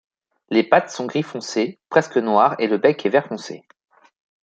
Les pattes sont gris foncé presque noir et le bec est vert foncé.